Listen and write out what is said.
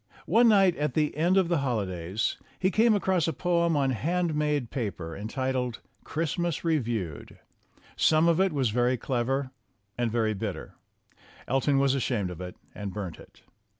One night at the end of the holidays he came across a poem on hand made paper, entitled "Christmas Re viewed." Some of it was very clever and very bitter. Elton was ashamed of it and burnt it.